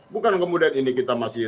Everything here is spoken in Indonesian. bukan kemudian ini kita masih